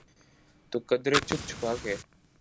تو قدرے چھپ چھپا کے۔